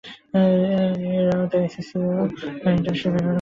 এর আওতায় এসিসিএ শিক্ষার্থীদের ইন্টার্নশিপ ও বিভিন্ন কাজের সুযোগ করে দেবে রবি।